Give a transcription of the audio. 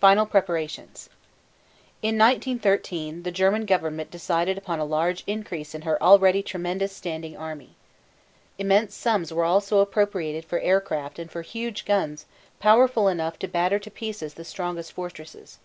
FINAL PREPARATIONS. In 1913 the German government decided upon a large increase in her already tremendous standing army. Immense sums were also appropriated for aircraft and for huge guns powerful enough to batter to pieces the strongest fortresses.